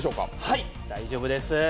はい、大丈夫です。